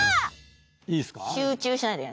いいっすか？